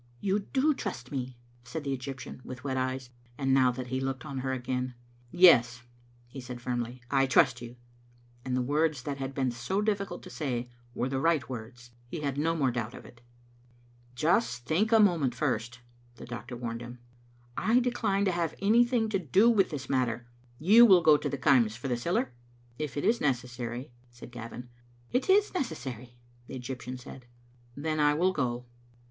" You do trust me," the Egyptian said, with wet eyes; and now that he looked on her again — "Yes," he said firmly, "I trust you," and the words that had been so difficult to say were the right words. He had no more doubt of it. "Just think a moment first," the doctor warned him. "I decline to have anything to do with this matter. You will go to the Kaims for the siller?" " If it is necessary," said Gavin. " It is necessary," the Egyptian said. "Then I will go."